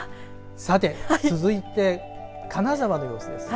さて続いて金沢の様子です。